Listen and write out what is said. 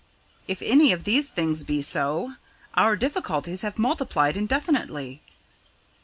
If any of these things be so, our difficulties have multiplied indefinitely.